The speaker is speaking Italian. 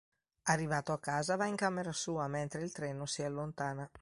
Arrivato a casa, va in camera sua mentre il treno si allontana.